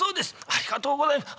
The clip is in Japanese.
ありがとうございます。